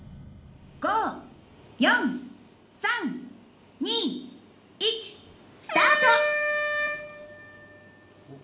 「５４３２１スタート！」。